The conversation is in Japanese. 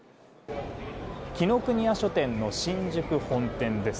紀伊國屋書店の新宿本店です。